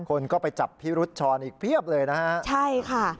คนก็ไปจับพิรุษชรอีกเพียบเลยนะฮะใช่ค่ะ